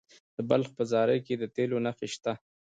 د بلخ په زاري کې د تیلو نښې شته.